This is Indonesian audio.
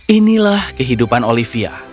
inilah kehidupan olivia